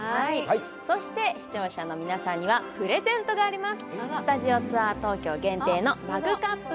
そして視聴者の皆さんにはプレゼントがあります。